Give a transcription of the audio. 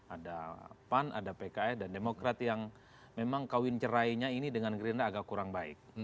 ada pan ada pks dan demokrat yang memang kawin cerainya ini dengan gerindra agak kurang baik